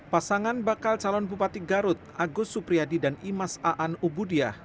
pasangan bakal calon bupati garut agus supriyadi dan imas aan ubudiah